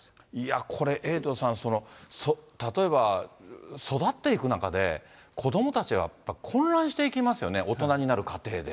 いや、これ、エイトさん、その例えば育っていく中で、子どもたちが混乱していきますよね、大人になる過程で。